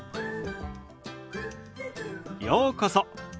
ようこそ。